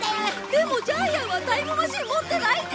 でもジャイアンはタイムマシン持ってないでしょ！？